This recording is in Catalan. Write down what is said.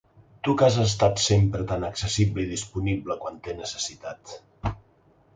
Tu que has estat sempre tan accessible i disponible quan t’he necessitat.